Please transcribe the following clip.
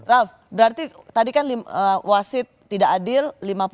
ralf berarti tadi kan wasit tidak adil lima puluh satu